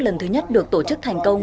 lần thứ nhất được tổ chức thành công